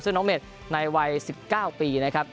น้องเม็ดในวัย๑๙ปีนะครับ